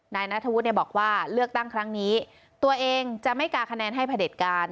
นายนัทธวุฒิเนี่ยบอกว่าเลือกตั้งครั้งนี้ตัวเองจะไม่กาคะแนนให้พระเด็จการ